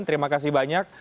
terima kasih banyak